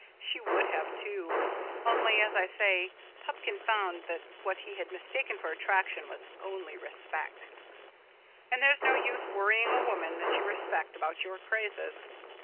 She would have, too. Only, as I say, Pupkin found that what he had mistaken for attraction was only respect. And there's no use worrying a woman that you respect about your crazes.